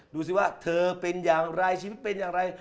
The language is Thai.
ดูสิว่าเธอเป็นอย่างไรชีวิตเป็นอย่างไร